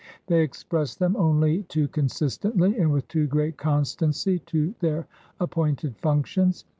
They express them only too consistently, and with too great constancy to their appointed functions.